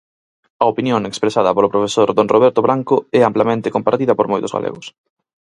A opinión expresada polo profesor don Roberto Branco é amplamente compartida por moitos galegos.